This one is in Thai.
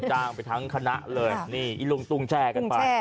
จ้างไปทั้งคณะเลยนี่อีลุงตุ้งแช่กันไป